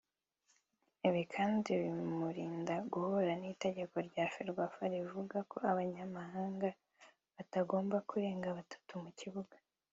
Ibi kandi bimurinda guhura n’itegeko rya Ferwafa rivuga ko Abanyamahanga batagomba kurenga batatu mu kibuga